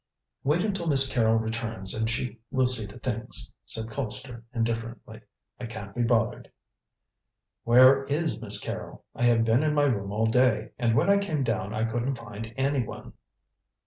"Wait until Miss Carrol returns and she will see to things," said Colpster indifferently. "I can't be bothered." "Where is Miss Carrol? I have been in my room all day, and when I came down I couldn't find anyone."